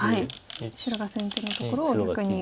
白が先手のところを逆に。